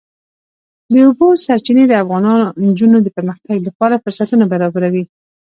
د اوبو سرچینې د افغان نجونو د پرمختګ لپاره فرصتونه برابروي.